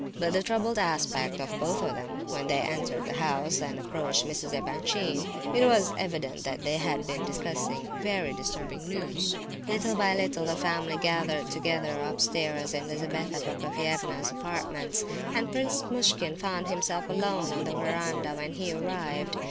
By the troubled aspect of both of them, when they entered the house, and approached Mrs. Epanchin, it was evident that they had been discussing very disturbing news. Little by little the family gathered together upstairs in Lizabetha Prokofievna's apartments, and Prince Muishkin found himself alone on the verandah when he arrived.